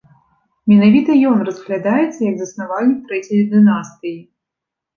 Менавіта ён разглядаецца як заснавальнік трэцяй дынастыі.